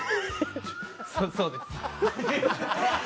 そ、そうです。